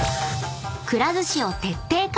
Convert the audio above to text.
［くら寿司を徹底解剖！